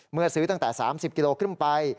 เมื่อซื้อตั้งแต่๓๐กิโลกรัมขึ้นไป